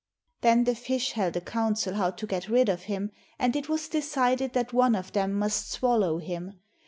Then the fish held a council how to get rid of him, and it was decided that one of them must swallow him.